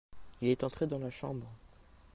Il est entré dans la chambre.